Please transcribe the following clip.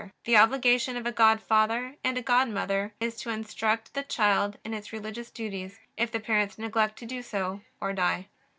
The obligation of a godfather and a godmother is to instruct the child in its religious duties, if the parents neglect to do so or die.